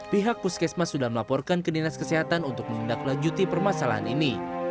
pihak puskesmas sudah melaporkan ke dinas kesehatan untuk menindaklanjuti permasalahan ini